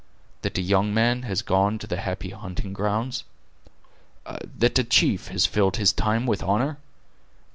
that a young man has gone to the happy hunting grounds; that a chief has filled his time with honor?